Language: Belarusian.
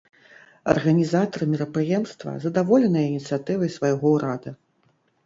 Арганізатары мерапрыемства задаволеныя ініцыятывай свайго ўрада.